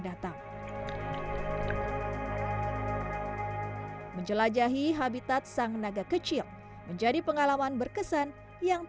datang menjelajahi habitat sang naga kecil menjadi pengalaman berkesan yang